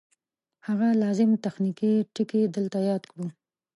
هغه لازم تخنیکي ټکي دلته یاد کړو